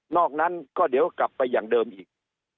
อกนั้นก็เดี๋ยวกลับไปอย่างเดิมอีก